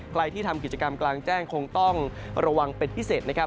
ใครที่ทำกิจกรรมกลางแจ้งคงต้องระวังเป็นพิเศษนะครับ